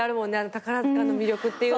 宝塚の魅力っていうの。